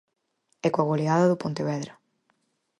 E coa goleada do Pontevedra.